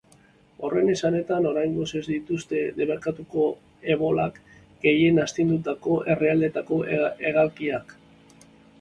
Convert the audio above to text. Horren esanetan, oraingoz ez dituzte debekatuko ebolak gehien astindutako herrialdeetako hegaldiak.